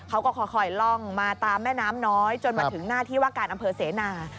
เขาก็ค่อยล่องมาตามแม่น้ำน้อยจนมาถึงหน้าที่ว่าการอำเภอเสนา